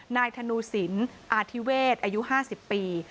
นายธนูศิลป์อาทิเวศป์อายุ๕๐ปี